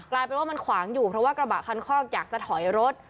กลายเป็นว่ามันขวางอยู่เพราะว่ากระบะคันคอกอยากจะถอยรถ